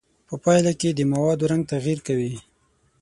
په پایله کې د موادو رنګ تغیر کوي.